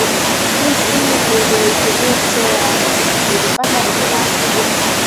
Hii simu niliyotumia sio yangu, nilipata nafasi